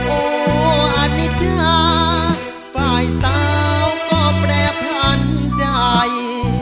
โอ้อันนี้จ้าฝ่ายสาวก็แปรพันธ์ใจ